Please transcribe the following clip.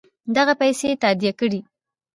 دغه پیسې تادیه کړي.